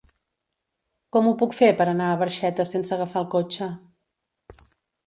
Com ho puc fer per anar a Barxeta sense agafar el cotxe?